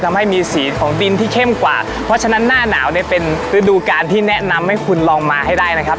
ทำให้มีสีของดินที่เข้มกว่าเพราะฉะนั้นหน้าหนาวเนี่ยเป็นฤดูการที่แนะนำให้คุณลองมาให้ได้นะครับ